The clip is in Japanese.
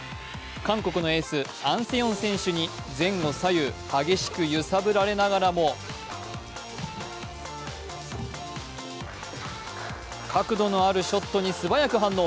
韓国のエース、アン・セヨン選手に前後左右、激しく揺さぶられながらも角度のあるショットに素早く反応。